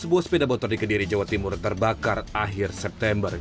sebuah sepeda motor di kediri jawa timur terbakar akhir september